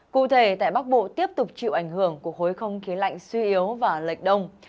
cụ thể tại bắc bộ tiếp tục chịu ảnh hưởng của khối không khí lạnh suy yếu và lệch đông